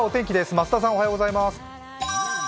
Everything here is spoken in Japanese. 増田さんおはようございます。